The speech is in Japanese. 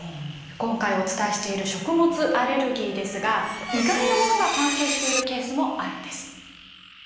今回お伝えしている食物アレルギーですが意外なものが関係しているケースもあるんです。